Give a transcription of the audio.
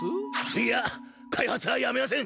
いいや開発はやめません！